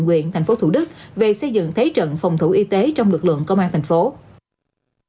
huyện tp thủ đức về xây dựng thế trận phòng thủ y tế trong lực lượng công an tp hcm